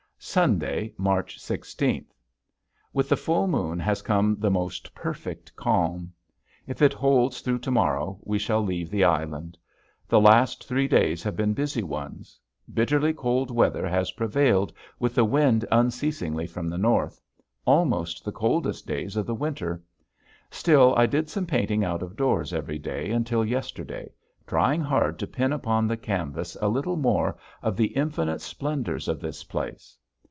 Sunday, March sixteenth. With the full moon has come the most perfect calm. If it holds through to morrow we shall leave the island. The past three days have been busy ones. Bitterly cold weather has prevailed with the wind unceasingly from the north almost the coldest days of the winter. Still I did some painting out of doors every day until yesterday, trying hard to pin upon the canvas a little more of the infinite splendors of this place.